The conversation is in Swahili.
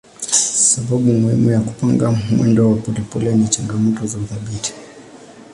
Sababu muhimu ya kupanga mwendo wa polepole ni changamoto za udhibiti.